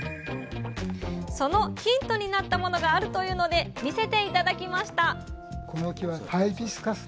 そのヒントになったものがあるというので見せて頂きました